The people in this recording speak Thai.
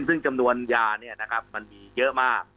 ซึ่งจำนวนยามันมีเยอะมาก